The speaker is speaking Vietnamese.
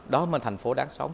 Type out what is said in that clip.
đó là thành phố đáng sống